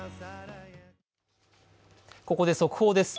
ここで速報です。